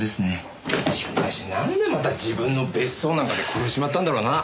しかしなんでまた自分の別荘なんかで殺しちまったんだろうな。